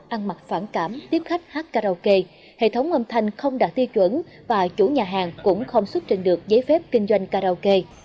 ăn mặc phản cảm tiếp khách hát karaoke hệ thống âm thanh không đạt tiêu chuẩn và chủ nhà hàng cũng không xuất trình được giấy phép kinh doanh karaoke